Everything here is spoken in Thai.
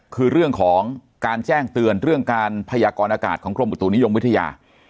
คือเรื่องของการแจ้งเตือนเรื่องการพยากรอากาศของกรมอุตุนิยมวิทยา